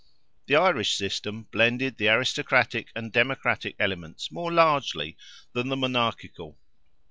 The Irish system blended the aristocratic and democratic elements more largely than the monarchical.